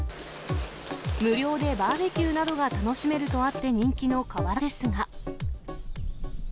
無料でバーベキューなどが楽しめるとあって人気の河原ですが。